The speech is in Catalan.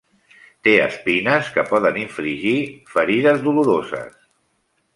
Té espines que poden infligir ferides doloroses.